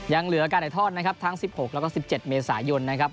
ยังเหลือการถ่ายทอดนะครับทั้ง๑๖แล้วก็๑๗เมษายนนะครับ